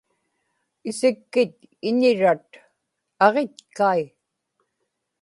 isikkit iñirat; aġitkai